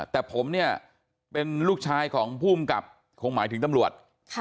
แต่ผมเนี่ยเป็นลูกชายของภูมิกับคงหมายถึงตำรวจ